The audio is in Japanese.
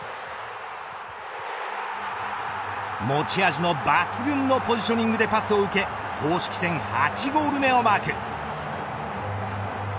持ち味の抜群のポジショニングでパスを受け公式戦８ゴール目をマーク。